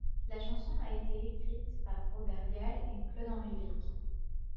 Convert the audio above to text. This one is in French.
La chanson a été écrite par Robert Gall et Claude-Henri Vic.